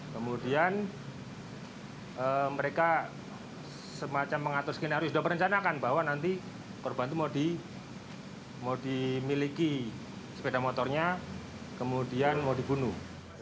kemudian mereka semacam mengatur skenario sudah merencanakan bahwa nanti korban itu mau dimiliki sepeda motornya kemudian mau dibunuh